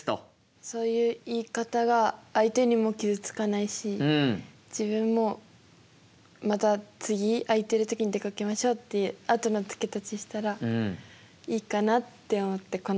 そういう言い方が相手にも傷つかないし自分もまた次空いてる時に出かけましょうっていうあとの付け足ししたらいいかなって思ってこの言葉を選びました。